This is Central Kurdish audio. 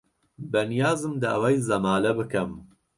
بەنیازم داوای زەمالە بکەم.